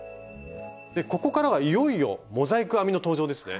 でここからはいよいよモザイク編みの登場ですね。